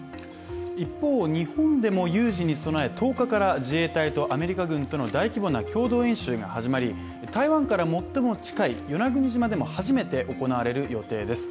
一方、日本でも有事に備え１０日から自衛隊とアメリカ軍との大規模な共同演習が始まり、台湾から最も近い与那国島でも初めて行われる予定です。